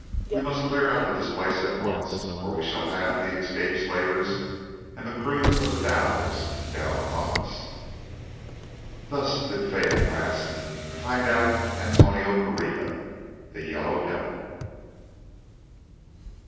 We must clear out of this place at once, or we shall have the escaped slavers and the crews of the dhows down upon us." Thus then did fate at last find out Antonio Pereira, the Yellow Devil.